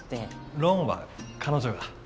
ローンは彼女が。